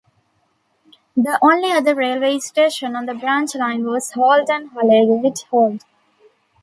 The only other railway station on the branch line was Halton Holegate Halt.